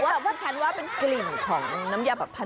แต่ว่าฉันว่าเป็นกลิ่นของน้ำยาสักพา